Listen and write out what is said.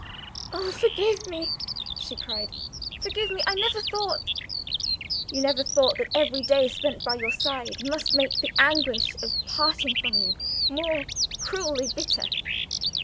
"Oh, forgive me!" she cried, "forgive me! I never thought " "You never thought that every day spent by your side must make the anguish of parting from you more cruelly bitter.